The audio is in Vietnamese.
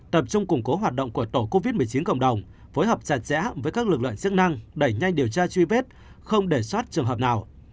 tập trung củng cố hoạt động của tổ covid một mươi chín cộng đồng phối hợp chặt chẽ với các lực lượng chức năng đẩy nhanh điều tra truy vết không để soát trường hợp nào